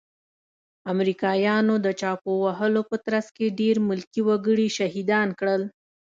امريکايانو د چاپو وهلو په ترڅ کې ډير ملکي وګړي شهيدان کړل.